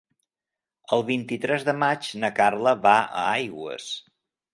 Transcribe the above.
El vint-i-tres de maig na Carla va a Aigües.